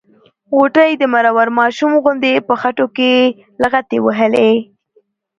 غوټۍ د مرور ماشوم غوندې په خټو کې لغتې وهلې.